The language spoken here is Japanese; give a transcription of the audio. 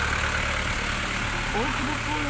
大久保公園